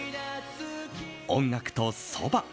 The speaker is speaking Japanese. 音楽とそば。